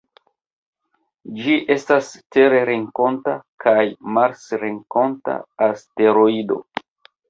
Ĝi estas terrenkonta kaj marsrenkonta asteroido.